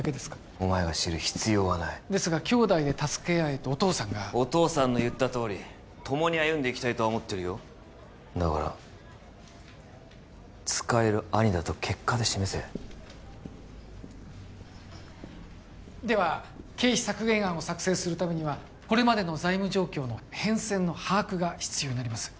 お前が知る必要はないですが兄弟で助け合えとお父さんがお父さんの言ったとおりともに歩んでいきたいとは思ってるよだから使える兄だと結果で示せでは経費削減案を作成するためにはこれまでの財務状況の変遷の把握が必要になります